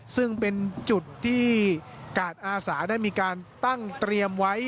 ซึ่งเป็นจุดที่กาดอาสาได้มีการตั้งเตรียมไว้